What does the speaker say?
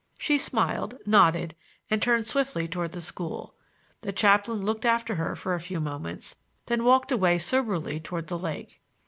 She smiled, nodded and turned swiftly toward the school. The chaplain looked after her for a few moments, then walked away soberly toward the lake.